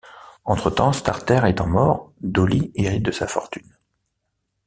Entre-temps, Starter étant mort, Dolly hérite de sa fortune.